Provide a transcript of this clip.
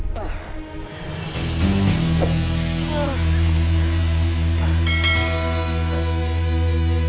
saya yang menang